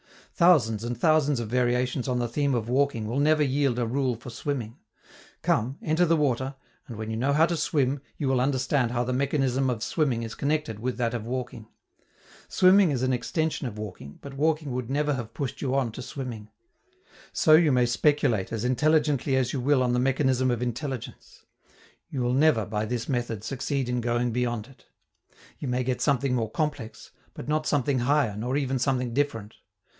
Thousands and thousands of variations on the theme of walking will never yield a rule for swimming: come, enter the water, and when you know how to swim, you will understand how the mechanism of swimming is connected with that of walking. Swimming is an extension of walking, but walking would never have pushed you on to swimming. So you may speculate as intelligently as you will on the mechanism of intelligence; you will never, by this method, succeed in going beyond it. You may get something more complex, but not something higher nor even something different.